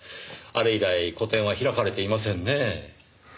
あれ以来個展は開かれていませんねぇ？